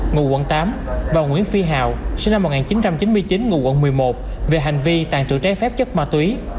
ngụ quận tám và nguyễn phi hào sinh năm một nghìn chín trăm chín mươi chín ngụ quận một mươi một về hành vi tàn trự trái phép chất ma túy